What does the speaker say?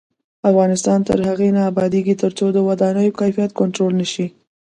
افغانستان تر هغو نه ابادیږي، ترڅو د ودانیو کیفیت کنټرول نشي.